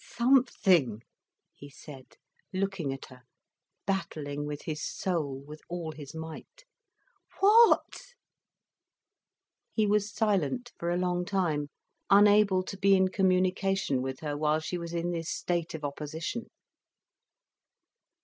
"Something," he said, looking at her, battling with his soul, with all his might. "What?" He was silent for a long time, unable to be in communication with her while she was in this state of opposition.